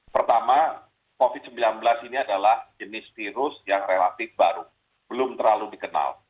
pertama covid sembilan belas ini adalah jenis virus yang relatif baru belum terlalu dikenal